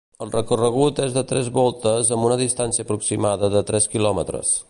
El recorregut és de tres voltes amb una distància aproximada de tres quilòmetres.